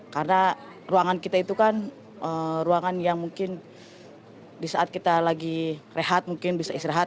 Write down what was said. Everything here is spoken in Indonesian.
karena ruangan kita itu kan ruangan yang mungkin disaat kita lagi rehat mungkin bisa istirahat